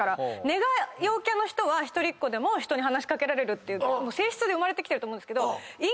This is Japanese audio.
根が陽キャの人は一人っ子でも人に話し掛けられるっていう性質で生まれてきてると思うんですけど。